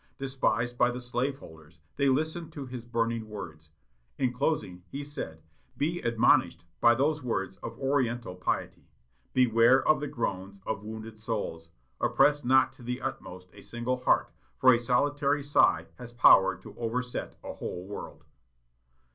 Despised by the slave holders, they listened to his burning words. In closing, he said: "Be admonished by those words of oriental piety, 'Beware of the groans of wounded souls. Oppress not to the utmost a single heart; for a solitary sigh has power to overset a whole world.'"